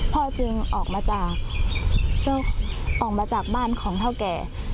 พ่อจึงออกมาจากบ้านของเท่าแก่